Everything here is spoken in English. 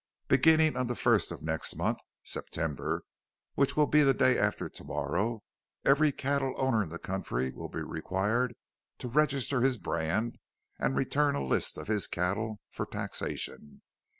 Beginning on the first of next month, September which will be the day after to morrow, every cattle owner in the county will be required to register his brand and return a list of his cattle, for taxation.